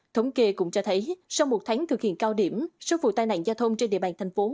thống kê cũng cho thấy sau một tháng thực hiện cao điểm số vụ tai nạn giao thông trên địa bàn thành phố